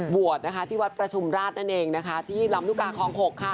บวชนะคะที่วัดประชุมราชนั่นเองนะคะที่ลำลูกกาคลอง๖ค่ะ